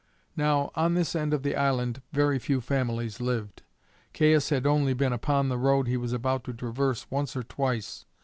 Now, on this end of the island very few families lived. Caius had only been upon the road he was about to traverse once or twice.